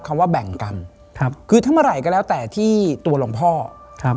คำว่าแบ่งกรรมครับคือทำอะไรก็แล้วแต่ที่ตัวหลวงพ่อครับ